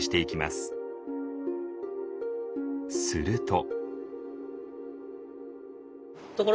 すると。